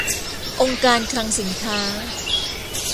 องค์การคลังสินค้า